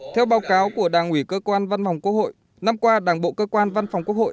theo báo cáo của đảng ủy cơ quan văn phòng quốc hội năm qua đảng bộ cơ quan văn phòng quốc hội